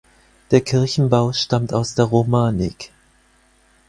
Der Kirchenbau stammt aus der Romanik.